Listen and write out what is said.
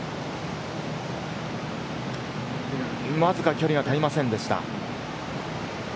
わずか距離が足りませんでした。